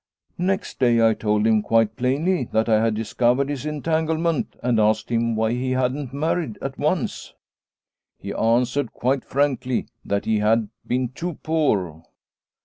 Next day I told him quite plainly that I had discovered his entanglement, and asked him why he Ensign Orneclou 183 hadn't married at once. He answered quite frankly that he had been too poor.